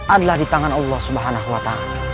adalah di tangan allah swt